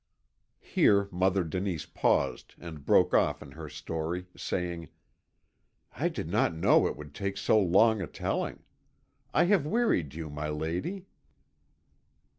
Here Mother Denise paused and broke off in her story, saying: "I did not know it would take so long a telling; I have wearied you, my lady."